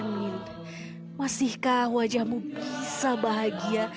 masihkah wajahmu bisa bahagia